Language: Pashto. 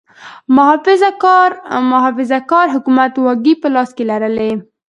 محافظه کار حکومت واګې په لاس کې لرلې.